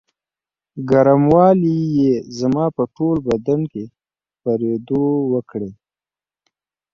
ګرموالي یې زما په ټول بدن کې خپرېدو وکړې.